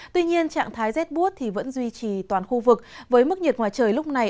tuy nhiên trạng thái rét bút vẫn duy trì toàn khu vực với mức nhiệt ngoài trời lúc này